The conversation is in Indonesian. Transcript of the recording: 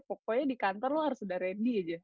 pokoknya di kantor lo harus sudah ready aja